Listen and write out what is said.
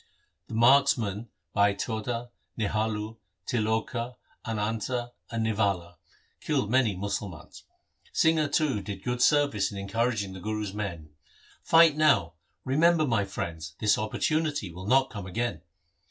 The marksmen Bhai Tota, Nihalu, Tiloka, Ananta, and Nivala, killed many Musalmans. Singha, too, did good ser vice in encouraging the Guru's men, ' Fight now ; remember, my friends, this opportunity will not come again.'